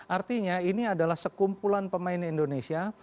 artinya ini adalah sekumpulan pemain indonesia